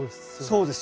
そうです。